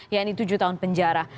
yang ini tujuh tahun penjara